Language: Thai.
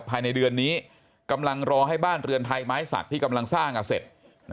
ภายในเดือนนี้กำลังรอให้บ้านเรือนไทยไม้สักที่กำลังสร้างเสร็จ